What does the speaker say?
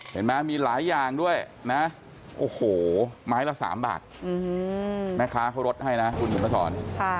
เห็นไหมมีหลายอย่างด้วยนะโอ้โหไม้ละ๓บาทแม่ค้าเขาลดให้นะคุณเขียนมาสอน